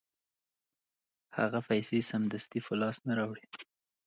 هغه پیسې سمدستي په لاس نه راوړي